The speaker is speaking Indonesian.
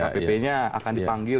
kpk nya akan dipanggil